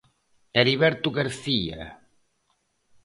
Heriberto García.